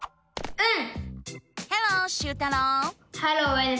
うん！